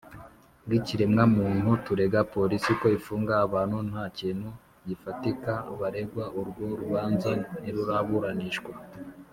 Bw ikiremwamuntu turega polisi ko ifunga abantu nta kintu gifatika baregwa urwo rubanza ntiruraburanishwa